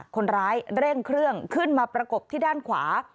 คนร้ายเร่งเครื่องขึ้นมาประกบที่ด้านขวา